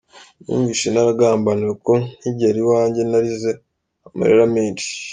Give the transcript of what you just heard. Numvise naragambaniwe kuko nkigera iwanjye narize amarira menshi.